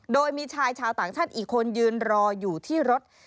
โดยมีชายชาวต่างชาติอีกคนยืนรออยู่ที่รถ